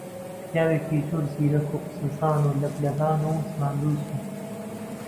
پیاوێکی زۆر زیرەک و قسەزان و لەبلەبان و زمانلووس بوو